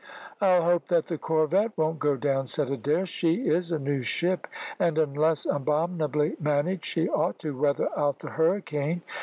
"I'll hope that the corvette won't go down," said Adair. "She is a new ship, and, unless abominably managed, she ought to weather out the hurricane."